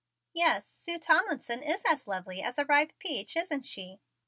"Yes, Sue Tomlinson is as lovely as a ripe peach, isn't she?"